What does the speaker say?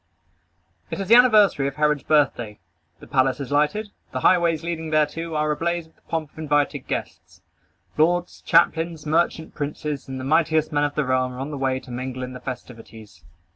It is the anniversary of Herod's birthday. The palace is lighted. The highways leading thereto are ablaze with the pomp of invited guests. Lords, captains, merchant princes, and the mightiest men of the realm are on the way to mingle in the festivities.